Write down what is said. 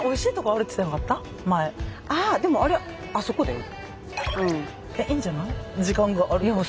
ああでもあれあそこだよ。